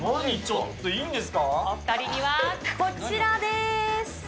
お２人にはこちらです。